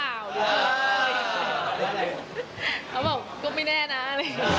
แล้วผมก็บอกก็ไม่แน่นะ